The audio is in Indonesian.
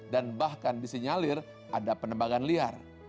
dan bahkan disinyalir ada penembangan liar